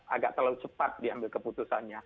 agak terlalu cepat diambil keputusannya